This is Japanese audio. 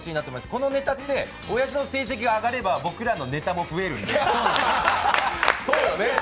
このネタって、おやじの成績が上がれば僕らのネタも増えるんです。